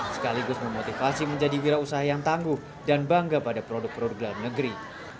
sekaligus memotivasi menjadi wilayah usaha yang tangguh dan bangga pada produk perurgelan negeri